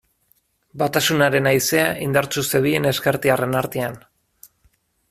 Batasunaren haizea indartsu zebilen ezkertiarren artean.